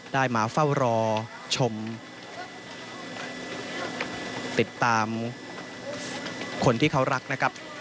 ได้มาเฝ้ารอชมติดตามคนที่เขารักนะครับ